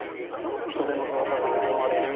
人出の増加が見込まれる